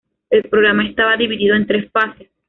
El programa estaba dividido en tres fases.